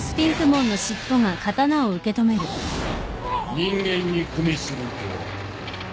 人間にくみするとは。